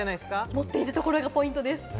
持っているところがポイントです。